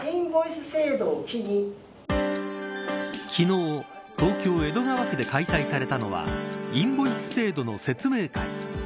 昨日、東京・江戸川区で開催されたのはインボイス制度の説明会。